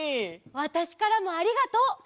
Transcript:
わたしからもありがとう。